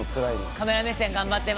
カメラ目線頑張ってます